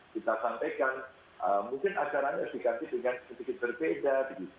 kita sampaikan mungkin acaranya dikasih dengan sedikit berbeda